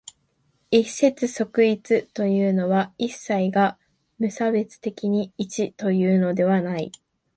一切即一というのは、一切が無差別的に一というのではない。